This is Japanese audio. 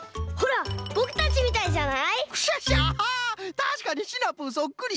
たしかにシナプーそっくり！